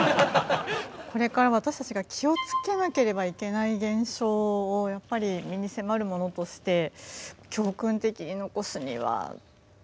これから私たちが気を付けなければいけない現象をやっぱり身に迫るものとして教訓的に残すには青なのかなっていう判断ですね。